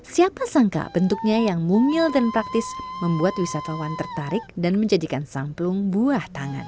siapa sangka bentuknya yang mumil dan praktis membuat wisatawan tertarik dan menjadikan samplung buah tangan